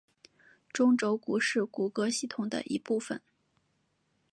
中轴骨是骨骼系统的一部分。